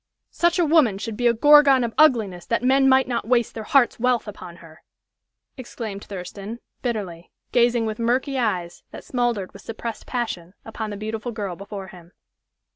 Such a woman should be a gorgon of ugliness that men might not waste their hearts' wealth upon her!" exclaimed Thurston, bitterly, gazing with murky eyes, that smoldered with suppressed passion, upon the beautiful girl before him.